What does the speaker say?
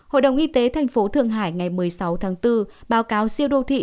hội đồng y tế thành phố thượng hải ngày một mươi sáu tháng bốn báo cáo siêu đô thị